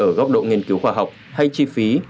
để dừng lại ở góc độ nghiên cứu khoa học hay chi phí